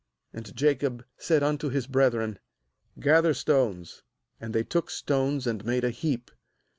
46And Jacob said unto his brethren: 'Gather stones'; and they took stones, and made a heap.